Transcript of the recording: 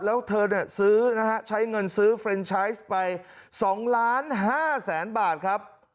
แล้วเธอเนี่ยซื้อใช้เงินซื้อเฟรนไชส์ไป๒๕๐๐๐๐๐บาทครับ